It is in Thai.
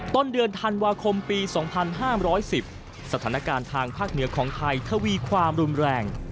ต้นเดือนธันวาคมปี๒๕๑๐สถานการณ์ทางภาคเหนือของไทยทวีความรุนแรง